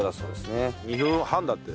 ２分半だって。